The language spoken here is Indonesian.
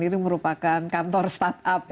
di sini itu merupakan kantor start up ya